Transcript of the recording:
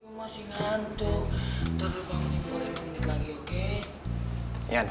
ntar lu bangunin gue lima menit lagi oke